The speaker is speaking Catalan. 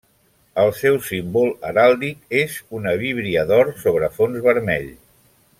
El seu símbol heràldic és una víbria d'or sobre fons vermell.